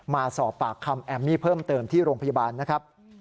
มาสอบปากคำแอมมี่เพิ่มเติมที่โรงพยาบาลนะครับ